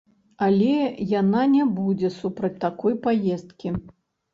Але яна не будзе супраць такой паездкі.